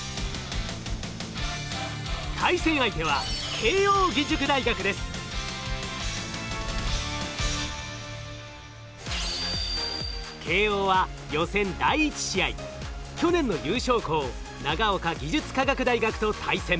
対戦相手は慶應は予選第１試合去年の優勝校長岡技術科学大学と対戦。